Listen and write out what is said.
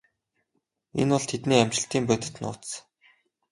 Энэ бол тэдний амжилтын бодит нууц.